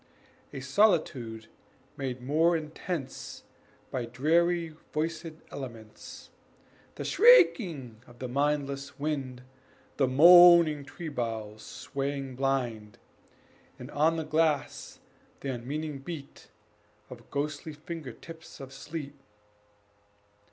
A solitude made more intense By dreary voiced elements, The shrieking of the mindless wind, The moaning tree boughs swaying blind, And on the glass the unmeaning beat Of ghostly finger tips of sleet.